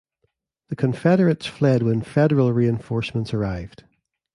The Confederates fled when Federal reinforcements arrived.